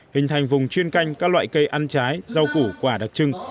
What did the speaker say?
hình thành vùng chuyên canh các loại cây ăn trái rau củ quả đặc trưng